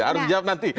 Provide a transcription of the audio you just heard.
harus dijawab nanti